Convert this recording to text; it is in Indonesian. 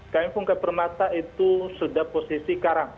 km fungka permata itu sudah posisi karang